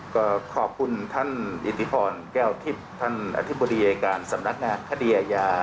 ก็ขอบคุณท่านอิทธิพรแก้วทิพย์ท่านอธิบดีอายการสำนักงานคดีอาญา